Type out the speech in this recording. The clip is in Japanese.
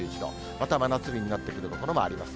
また真夏日になってくる所もあります。